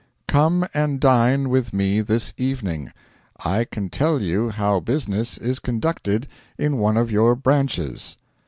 'Come and dine with me this evening. I can tell you how business is conducted in one of your branches.'